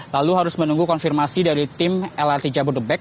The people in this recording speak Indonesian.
lalu harus menunggu konfirmasi dari tim lrt jabodebek